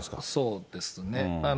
そうですね。